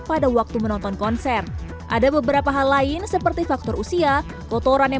pada waktu menonton konser ada beberapa hal lain seperti faktor usia kotoran yang